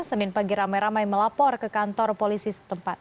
senin pagi ramai ramai melapor ke kantor polisi setempat